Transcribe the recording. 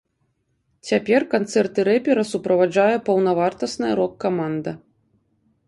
Цяпер канцэрты рэпера суправаджае паўнавартасная рок-каманда.